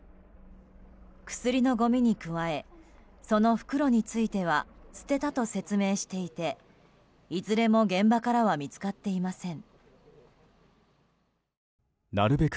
薬のごみに加えその袋については捨てたと説明していていずれも現場からは見つかっていません。